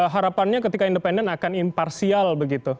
harapannya ketika independen akan imparsial begitu